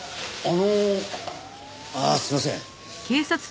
ああすいません。